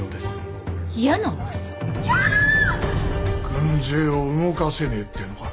軍勢を動かせねえってのか。